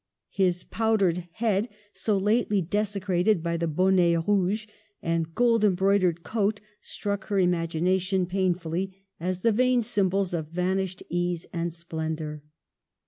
His pow dered head, so lately desecrated by the bonnet rouge, and gold embroidered coat struck her imagination painfully as the vain symbols of vanished ease and splendor.